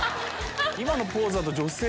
今のポーズだと。